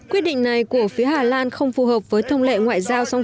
quyết định này của phía hà lan không phù hợp với thông lệ ngoại dân